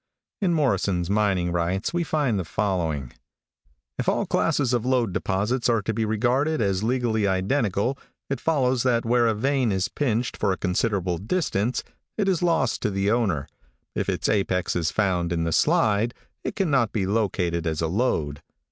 In Morrison's Mining Eights we find the following: "If all classes of lode deposits are to be regarded as legally identical, it follows that where a vein is pinched for a considerable distance, it is lost to the owner; if its apex is found in the slide, it can not be located as a lode.